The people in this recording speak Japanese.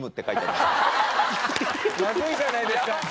まずいじゃないですか！